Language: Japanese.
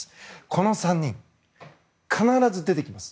この３人、必ず出てきます。